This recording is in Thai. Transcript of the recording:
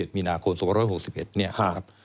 ๓๐มินาคม๒๖๑เนี่ยครับ